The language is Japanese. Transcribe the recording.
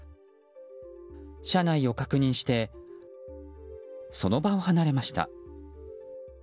車内を確認してその場を離れました。